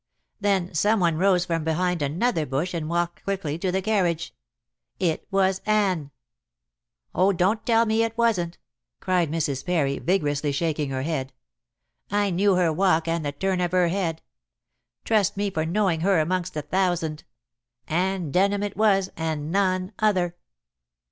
Then some one rose from behind another bush and walked quickly to the carriage. It was Anne. Oh, don't tell me it wasn't," cried Mrs. Parry, vigorously shaking her head. "I knew her walk and the turn of her head. Trust me for knowing her amongst a thousand. Anne Denham it was and none other."